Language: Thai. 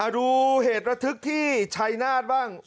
ดูเหตุระทึกที่ชัยนาธบ้าง